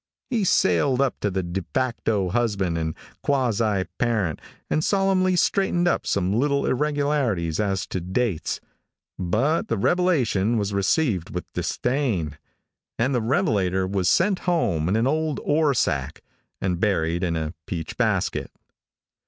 He sailed up to the de facto husband and quasi parent and solemnly straightened up some little irregularities as to dates, but the revelation was received with disdain, and the revelator was sent home in an old ore sack and buried in a peach basket.